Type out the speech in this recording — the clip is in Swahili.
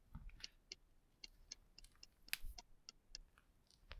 Jina la utani lenye maana ya shujaa mfuga nywele ndefu mwana wa Nkwanzi